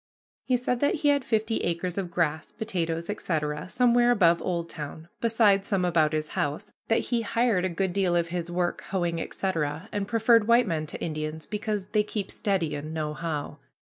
He said that he had fifty acres of grass, potatoes, etc., somewhere above Oldtown, besides some about his house; that he hired a good deal of his work, hoeing, etc., and preferred white men to Indians because "they keep steady and know how."